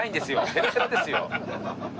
ヘロヘロですよ。